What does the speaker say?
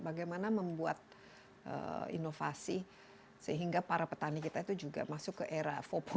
bagaimana membuat inovasi sehingga para petani kita itu juga masuk ke era empat